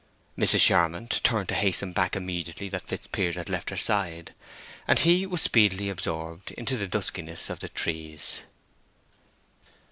Mrs. Charmond turned to hasten back immediately that Fitzpiers had left her side, and he was speedily absorbed into the duskiness of the trees.